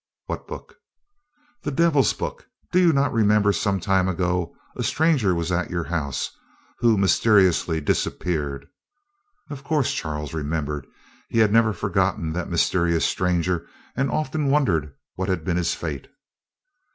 "What book?" "The devil's book. Do you not remember some time ago a stranger was at your house, who mysteriously disappeared?" Of course Charles remembered. He had never forgotten that mysterious stranger, and often wondered what had been his fate.